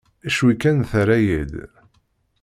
Cwi kan terra-yi-d.